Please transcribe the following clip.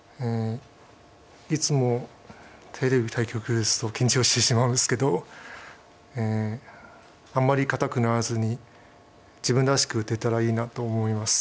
いつもテレビ対局ですと緊張してしまうんですけどあんまり硬くならずに自分らしく打てたらいいなと思います。